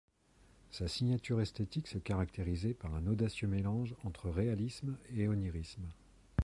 Sa signature esthétique se caractérisait par un audacieux mélange entre réalisme et onirisme.